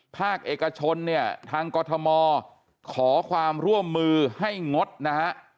ภาคเอกชนเนี่ยทางกรทมขอความร่วมมือให้งดนะฮะ